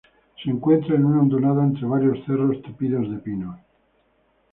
Se encuentra en una hondonada entre varios cerros tupidos de pinos.